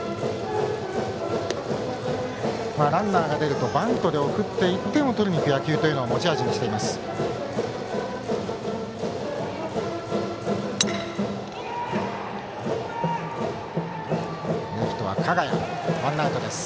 ランナーが出るとバントで送って１点を取りにいく野球を持ち味にしています。